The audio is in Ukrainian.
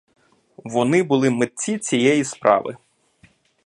Вони були митці цієї справи.